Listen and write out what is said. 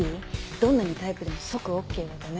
どんなにタイプでも即ＯＫはダメ。